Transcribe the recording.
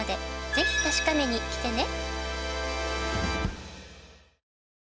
「ぜひ確かめに来てね」